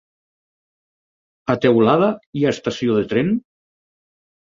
A Teulada hi ha estació de tren?